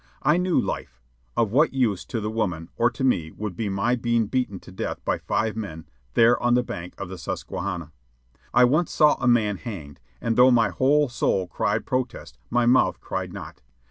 I knew life. Of what use to the woman, or to me, would be my being beaten to death by five men there on the bank of the Susquehanna? I once saw a man hanged, and though my whole soul cried protest, my mouth cried not.